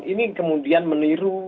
ini kemudian meniru